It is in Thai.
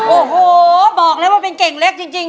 โอ้โหบอกเลยว่าเป็นเก่งเล็กจริง